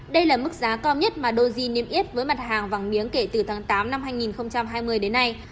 đây là mức giá cao nhất mà doji niêm yết với mặt hàng vàng miếng kể từ tháng tám năm hai nghìn hai mươi đến nay